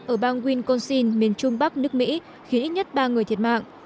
ở bang winconsin miền trung bắc nước mỹ khiến ít nhất ba người thiệt mạng